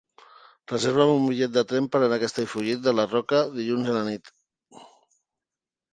Reserva'm un bitllet de tren per anar a Castellfollit de la Roca dilluns a la nit.